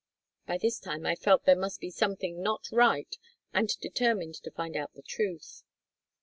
By this time I felt there must be something not right and determined to find out the truth.